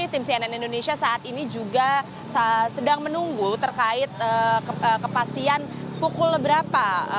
tim cnn indonesia saat ini juga sedang menunggu terkait kepastian pukul berapa